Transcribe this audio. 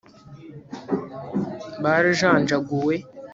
barajanjaguwe